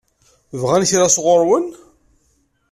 Bɣan kra sɣur-wen?